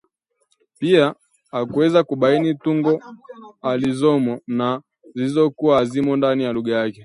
pia kuweza kubaini tungo zilizomo na zilizokuwa hazimo ndani ya lugha yake